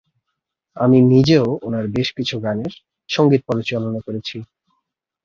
আমি নিজেও ওনার বেশ কিছু গানের সঙ্গীত পরিচালনা করেছি।